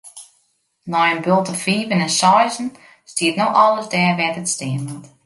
Nei in bulte fiven en seizen stiet no alles dêr wêr't it stean moat.